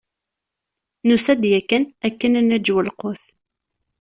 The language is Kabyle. Nusa-d yakan akken ad naǧew lqut.